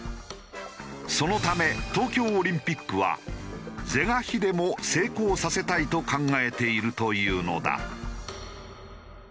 そのため東京オリンピックは是が非でも成功させたいと考えているというのだ。